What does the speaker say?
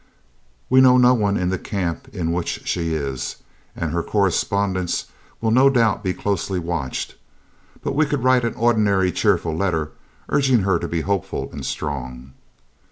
"We know no one in the Camp in which she is, and her correspondence will no doubt be closely watched, but we could write an ordinary, cheerful letter, urging her to be hopeful and strong."